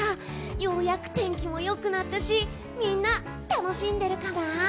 ようやく天気も良くなったしみんな、楽しんでるかな？